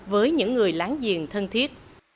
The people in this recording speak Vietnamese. với những người láng giềng thân thiết